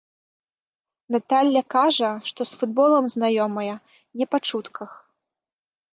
Наталля кажа, што з футболам знаёмая не па чутках.